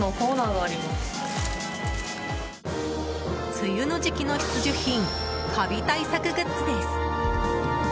梅雨の時期の必需品カビ対策グッズです。